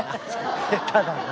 下手だな。